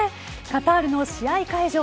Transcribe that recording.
カタールの試合会場